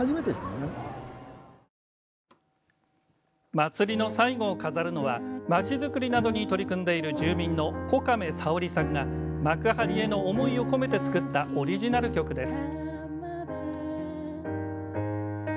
祭りの最後を飾るのはまちづくりなどに取り組んでいる住民の小亀さおりさんが幕張への思いを込めて作ったオリジナル曲です。